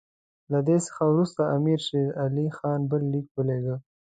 له دې څخه وروسته امیر شېر علي خان بل لیک ولېږه.